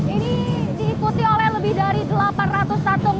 ini diikuti oleh lebih dari delapan ratus tatung